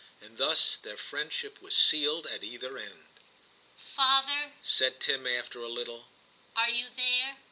And thus their friendship was sealed at either end. * Father/ said Tim, after a little, ' are you there ?